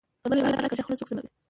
په بل عبارت، کږه خوله سوک سموي.